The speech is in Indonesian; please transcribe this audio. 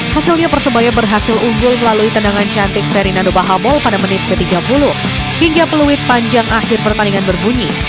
hasilnya persebaya berhasil unggul melalui tendangan cantik fernando bahamol pada menit ke tiga puluh hingga peluit panjang akhir pertandingan berbunyi